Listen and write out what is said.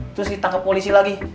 terus ditangkep polisi lagi